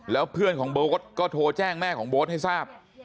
แล้วเพื่อนของโบ๊ทก็โทรแจ้งแม่ของโบ๊ทให้ทราบ